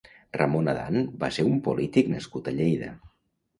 Ramón Adán va ser un polític nascut a Lleida.